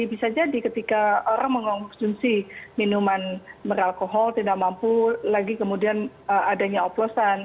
bisa jadi ketika orang mengonsumsi minuman beralkohol tidak mampu lagi kemudian adanya oplosan